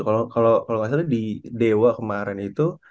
kalau kalau kalo gak salah di dewa kemarin itu